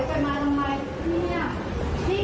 เจ้าหน้าที่อยู่ตรงนี้กำลังจะปัด